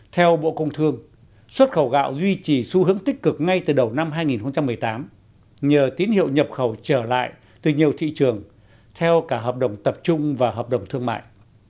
theo bộ công thương xuất khẩu gạo duy trì xu hướng tích cực ngay từ đầu năm hai nghìn một mươi tám nhờ tín hiệu nhập khẩu trở lại từ nhiều thị trường theo cả hợp đồng tập trung và hợp đồng thương mại